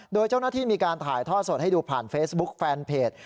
โดยเจ้าหน้าที่มีการถ่ายท่อสดให้ดูผ่านเฟซบุ๊คแฟนเพจ